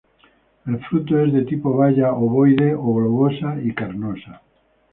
El fruto es de tipo baya, ovoide o globosa, y carnosa.